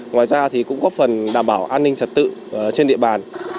ngoài ra thì cũng góp phần đảm bảo an ninh trật tự trên địa bàn